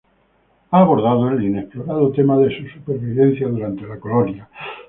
Ha abordado el inexplorado tema de su supervivencia durante la colonia.